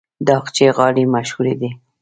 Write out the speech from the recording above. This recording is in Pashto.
د اقچې غالۍ مشهورې دي